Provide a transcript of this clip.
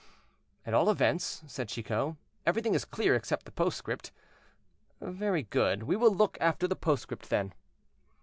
"At all events," said Chicot, "everything is clear, except the postscript. Very good, We will look after the postscript, then."